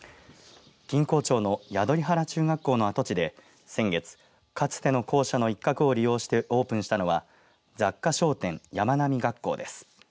錦江町の宿利原中学校の跡地で先月かつての校舎の一角を利用してオープンしたのは雑貨商店、やまなみ学校です。